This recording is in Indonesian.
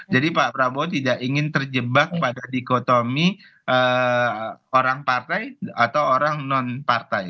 jadi pak prabowo tidak ingin terjebak pada dikotomi orang partai atau orang non partai